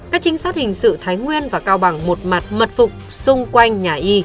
các trinh sát hình sự thái nguyên và cao bằng một mặt mật phục xung quanh nhà y